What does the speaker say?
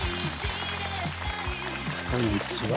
こんにちは。